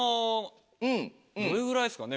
どれぐらいですかね